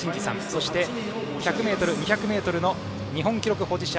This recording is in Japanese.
そして１００ｍ、２００ｍの日本記録保持者